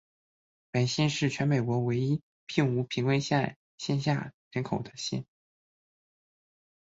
本县是全美国唯一并无贫穷线下人口的县。